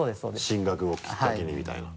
進学をきっかけにみたいな。